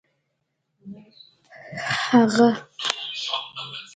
هغه